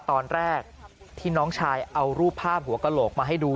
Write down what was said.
ตอนแรกที่น้องชายเอารูปภาพหัวกระโหลกมาให้ดู